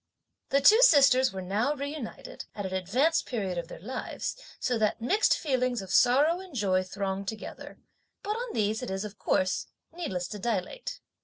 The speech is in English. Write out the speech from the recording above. The two sisters were now reunited, at an advanced period of their lives, so that mixed feelings of sorrow and joy thronged together, but on these it is, of course, needless to dilate.